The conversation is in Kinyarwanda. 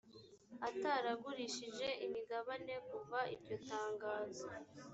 ataragurishije imigabane kuva iryo tangazo